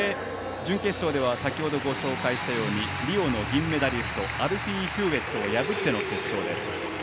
準決勝では先ほどご紹介したようにリオでの銀メダリストアルフィー・ヒューウェットを破っての決勝です。